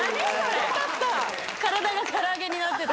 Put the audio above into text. よかった！